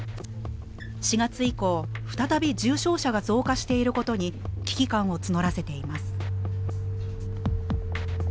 ４月以降再び重症者が増加していることに危機感を募らせています。